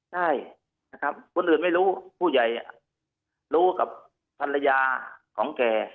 ใช่นะครับคนอื่นไม่รู้ผู้ใหญ่รู้กับภรรยาของแก